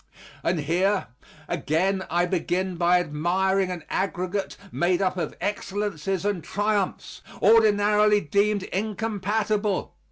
And here, again I begin by admiring an aggregate made up of excellences and triumphs, ordinarily deemed incompatible.